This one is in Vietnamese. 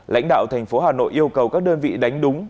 lãnh đạo tp hà nội yêu cầu các đơn vị đánh đúng